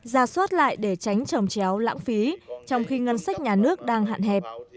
ra soát lại để tránh trồng chéo lãng phí trong khi ngân sách nhà nước đang hạn hẹp